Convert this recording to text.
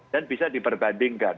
dan bisa diperbandingkan